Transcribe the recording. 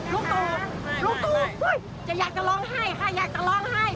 ลูกตูลูกตูอยากจะร้องให้ค่ะอยากจะร้องให้